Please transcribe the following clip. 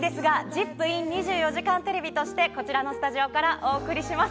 ｉｎ２４時間テレビとして、こちらのスタジオからお送りします。